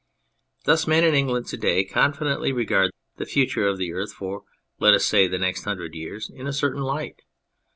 Thus, men in England to day con fidently regard the future of the earth for, let us say, the next hundred years in a certain light.